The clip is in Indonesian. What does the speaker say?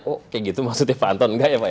oh kayak gitu maksudnya pak anton nggak ya pak ya